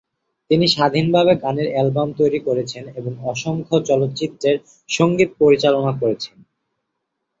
তিনি স্বাধীনভাবে গানের অ্যালবাম তৈরি করেছেন এবং অসংখ্য চলচ্চিত্রের সঙ্গীত পরিচালনা করেছেন।